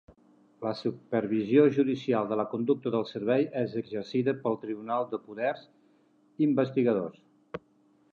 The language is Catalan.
La supervisió judicial de la conducta del servei és exercida pel Tribunal de Poders Investigadors.